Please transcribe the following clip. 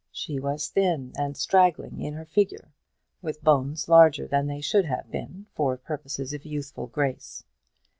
She was thin and straggling in her figure, with bones larger than they should have been for purposes of youthful grace.